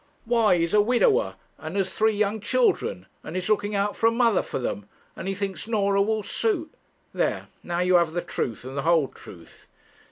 'Why, he's a widower, and has three young children; and he's looking out for a mother for them; and he thinks Norah will suit. There, now you have the truth, and the whole truth.'